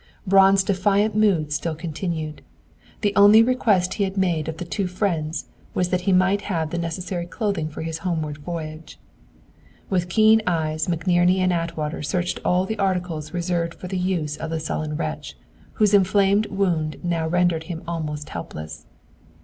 Braun's defiant mood still continued. The only request he had made of the two friends was that he might have the necessary clothing for his homeward voyage. With keen eyes, McNerney and Atwater searched all the articles reserved for the use of the sullen wretch, whose inflamed wound now rendered him almost helpless.